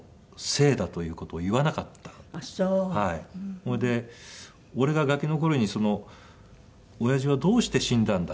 それで俺がガキの頃に「親父はどうして死んだんだ？」